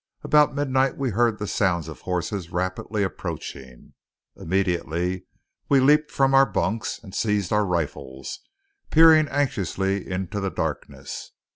About midnight we heard the sounds of horses rapidly approaching. Immediately we leaped from our bunks and seized our rifles, peering anxiously into the darkness.